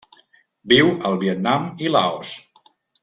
Viu al Vietnam i Laos.